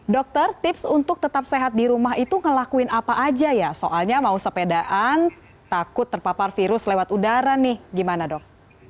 dokter tips untuk tetap sehat di rumah itu ngelakuin apa aja ya soalnya mau sepedaan takut terpapar virus lewat udara nih gimana dok